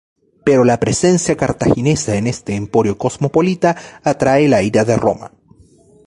Pero la presencia cartaginesa en este emporio cosmopolita atrae la ira de Roma.